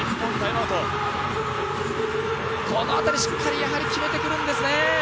この辺りしっかり決めてくるんですね。